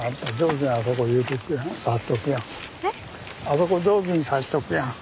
あそこ上手に差しとくやん。